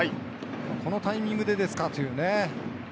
このタイミングですかっていう。